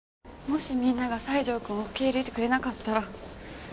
もしみんなが西条くんを受け入れてくれなかったら。